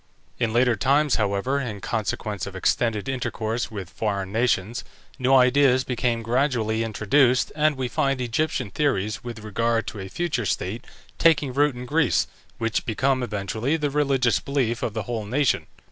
In later times, however, in consequence of extended intercourse with foreign nations, new ideas became gradually introduced, and we find Egyptian theories with regard to a future state taking root in Greece, which become eventually the religious belief of the whole nation.